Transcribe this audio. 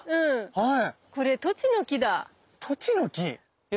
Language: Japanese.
はい。